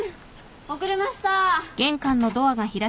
遅れました！